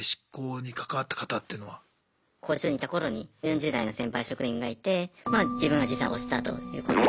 拘置所にいた頃に４０代の先輩職員がいて自分は実際押したということで。